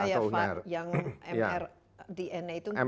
jadi kayak vat yang mr dna itu belum